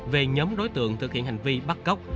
về nhóm đối tượng thực hiện hành vi bắt cóc